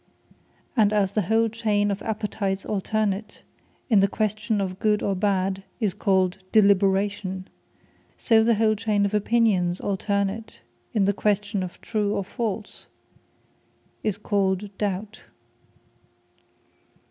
And as the whole chain of Appetites alternate, in the question of Good or Bad is called Deliberation; so the whole chain of Opinions alternate, in the question of True, or False is called DOUBT.